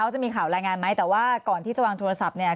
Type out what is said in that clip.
จะมีข่าวรายงานไหมแต่ว่าก่อนที่จะวางโทรศัพท์เนี่ย